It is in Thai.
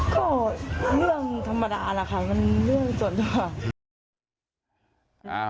ก็เรื่องธรรมดาล่ะค่ะมันเรื่องสดแล้วค่ะ